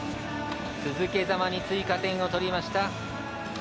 続けざまに追加点を取りました。